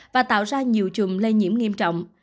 và tạo ra nhiều trùm lây nhiễm nghiêm trọng